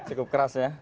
cukup keras ya